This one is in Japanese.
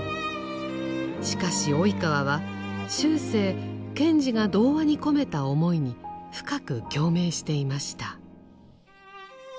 しかし及川は終生賢治が童話に込めた思いに深く共鳴していました。